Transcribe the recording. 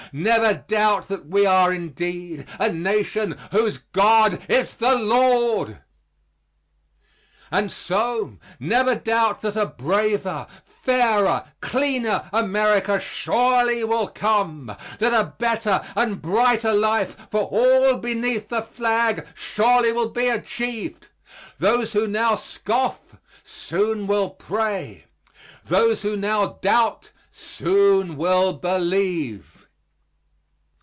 Never doubt that we are indeed a Nation whose God is the Lord. And, so, never doubt that a braver, fairer, cleaner America surely will come; that a better and brighter life for all beneath the flag surely will be achieved. Those who now scoff soon will pray. Those who now doubt soon will believe.